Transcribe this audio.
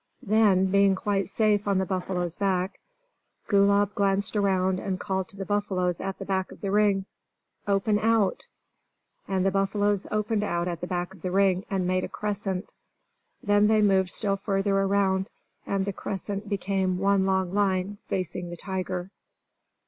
Then, being quite safe on the buffalo's back, Gulab glanced around and called to the buffaloes at the back of the ring, "Open out!" And the buffaloes opened out at the back of the ring, and made a crescent. Then they moved still farther around, and the crescent became one long line, facing the tiger.